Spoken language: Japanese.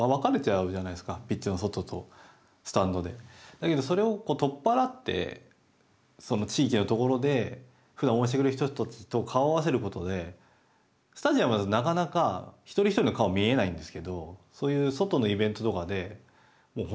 だけどそれを取っ払ってその地域のところでふだん応援してくれる人たちと顔を合わせることでスタジアムだとなかなか一人一人の顔見えないんですけど